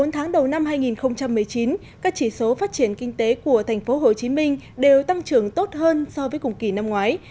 bốn tháng đầu năm hai nghìn một mươi chín các chỉ số phát triển kinh tế của tp hcm đều tăng trưởng tốt hơn so với cùng kỳ năm ngoái